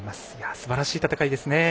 すばらしい戦いですね。